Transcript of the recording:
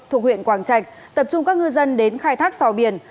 thuộc huyện quảng trạch tập trung các ngư dân đến khai thác sò biển